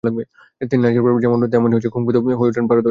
তিনি নাচের ওপর যেমন প্রশিক্ষণ নেন, তেমনি কুং ফুতেও হয়ে ওঠেন পারদর্শী।